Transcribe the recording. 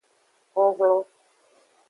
Honhlon.